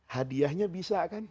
hadiahnya bisa kan